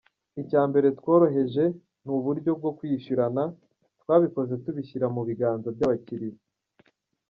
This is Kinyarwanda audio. Icya mbere tworoheje ni uburyo bwo kwishyurana, twabikoze tubishyira mu biganza by’abakiliya.